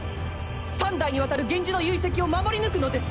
三代にわたる源氏の遺跡を守り抜くのです。